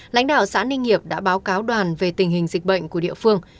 lãnh đạo xã ninh hiệp đã báo cáo đoàn về tình hình dịch bệnh của địa phương